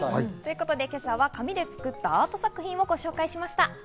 今朝は紙で作ったアート作品をご紹介しました。